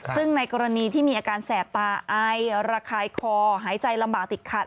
ซึ่งในกรณีที่มีอาการแสบตาไอระคายคอหายใจลำบากติดขัด